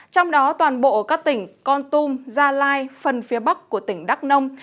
trong đó toàn bộ các tỉnh con tum gia lai phần phía bắc của tỉnh đắk nông